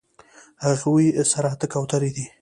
هغوی سره اتۀ کوترې دي